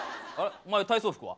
お前体操服は？